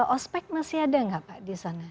ospek masih ada nggak pak di sana